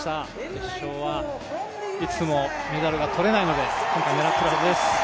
決勝はいつもメダルが取れないので、今回狙っているはずです。